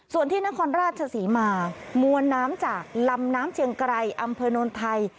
ส่วนที่นครราชศรีมามวลน้ำจากลำน้ำเชียงไกรอำเภอโนนไทย